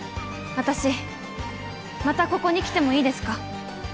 私またここに来てもいいですか？